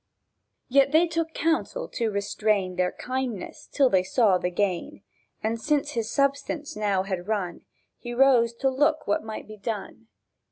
Yet they took counsel to restrain Their kindness till they saw the gain; And, since his substance now had run, He rose to do what might be done.